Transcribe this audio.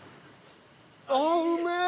ああうめえ！